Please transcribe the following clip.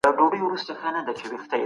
مسلمانان نه سي کولای ذمي ته زیان ورسوي.